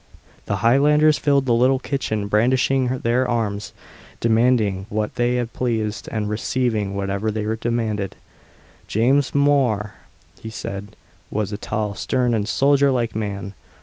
The Highlanders filled the little kitchen, brandishing their arms, demanding what they pleased, and receiving whatever they demanded. James Mhor, he said, was a tall, stern, and soldier like man.